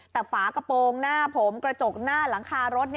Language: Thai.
แต่ฝากระโปรงหน้าผมกระจกหน้าหลังคารถ